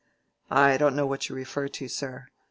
"I don't know what you refer to, sir.